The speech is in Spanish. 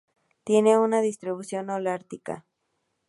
Tienen una distribución holártica.